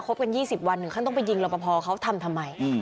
คบกัน๒๐วันหนึ่งเขาต้องไปยิงลำปะพอเขาทำทำไม